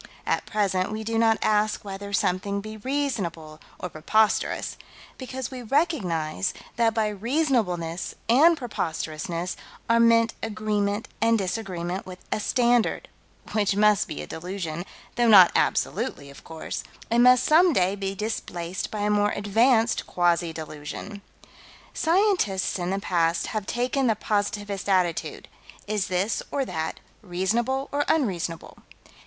At present we do not ask whether something be reasonable or preposterous, because we recognize that by reasonableness and preposterousness are meant agreement and disagreement with a standard which must be a delusion though not absolutely, of course and must some day be displaced by a more advanced quasi delusion. Scientists in the past have taken the positivist attitude is this or that reasonable or unreasonable?